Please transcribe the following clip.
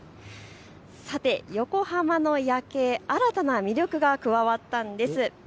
さて横浜の夜景、新たな魅力が加わったんです。